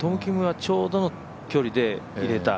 ちょうどの距離で入れた。